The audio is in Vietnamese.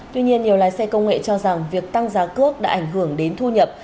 tuy nhiên nhiều lái xe công nghệ cho rằng việc tăng giá cước đã ảnh hưởng đến thu nhập